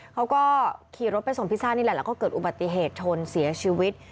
เขาก็ขี่รถไปส่งพิซซ่านี่แหละแล้วก็เกิดอุบัติเหตุชนเสียชีวิต